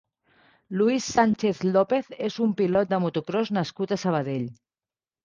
Luis Sánchez López és un pilot de motocròs nascut a Sabadell.